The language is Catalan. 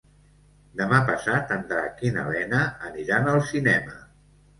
Demà passat en Drac i na Lena aniran al cinema.